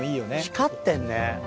光ってんね。